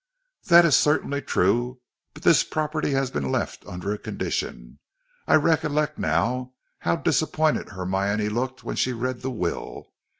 "That is certainly true, but this property has been left under a condition. I recollect now how disappointed Hermione looked when she read the will.